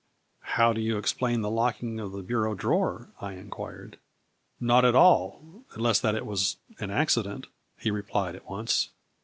" How do you explain the locking of the bureau drawer? " I inquired. " Not at all, unless that it was an accident," A FLURRY IN DIAMONDS. 79 he replied at once.